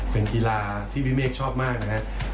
เป็นกีฬาที่พี่เมฆชอบมากนะครับ